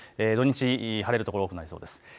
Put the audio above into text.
土日、晴れる所多くなりそうです。